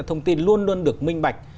thông tin luôn luôn được minh bạch